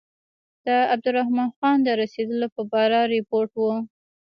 د عبدالرحمن خان د رسېدلو په باره کې رپوټ و.